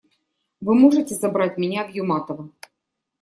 Вы можете забрать меня в Юматово?